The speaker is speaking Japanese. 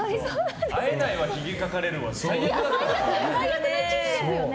会えないわひげを描かれるわ最悪だったね。